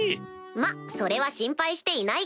まっそれは心配していないが。